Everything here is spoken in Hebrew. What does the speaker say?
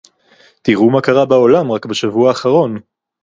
תראו מה קרה בעולם רק בשבוע האחרון